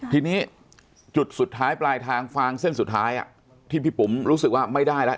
ทีนี้จุดสุดท้ายปลายทางฟางเส้นสุดท้ายที่พี่ปุ๋มรู้สึกว่าไม่ได้แล้ว